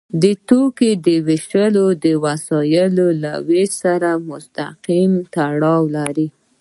د توکو ویش د وسایلو له ویش سره مستقیم تړاو لري.